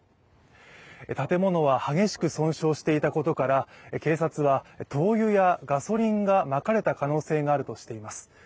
建物は激しく損傷していたことから警察は灯油やガソリンがまかれた可能性があるとしています。